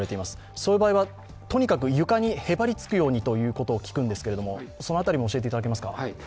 そういう場合はとにかく床にへばりつくようにということを聞くんですけども、その辺りも教えていただけますか？